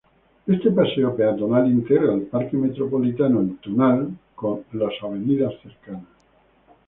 Este paseo peatonal integra al Parque Metropolitano El Tunal con avenidas cercanas.